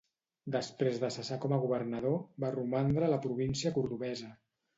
Després de cessar com a governador va romandre a la província cordovesa.